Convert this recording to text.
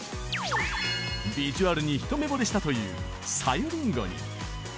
ビジュアルに一目惚れしたというさゆりんごに